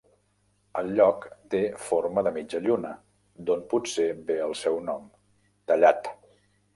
El lloc té forma de mitja lluna, d'on potser ve el seu nom, 'tallat'.